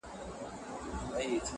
ټوله نــــړۍ راپسي مه ږغوه؛